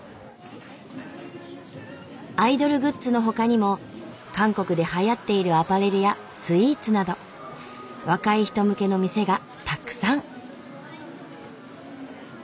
アイドルグッズのほかにも韓国ではやっているアパレルやスイーツなど若い人向けの店がたくさん。